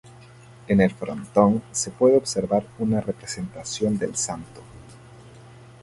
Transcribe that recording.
En el frontón se puede observar una representación del santo.